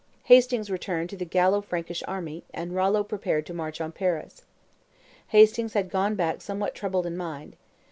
Hastings returned to the Gallo Frankish army, and Rollo prepared to march on Paris. Hastings had gone back somewhat troubled in mind.